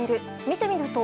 見てみると。